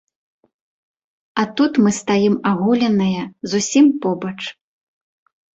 А тут мы стаім аголеныя, зусім побач.